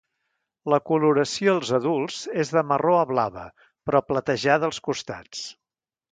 La coloració els adults és de marró a blava però platejada als costats.